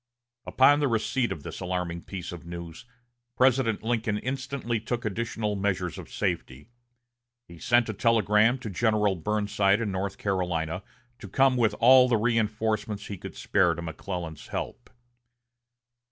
Upon the receipt of this alarming piece of news, President Lincoln instantly took additional measures of safety. He sent a telegram to General Burnside in North Carolina to come with all the reinforcements he could spare to McClellan's help.